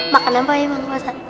makanan apa ya pak ustadz